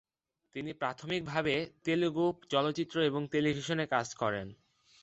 তিনি প্রাথমিকভাবে তেলুগু চলচ্চিত্র এবং টেলিভিশনে কাজ করেন।